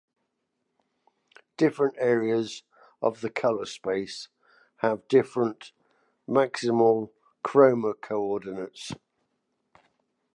Different areas of the color space have different maximal chroma coordinates.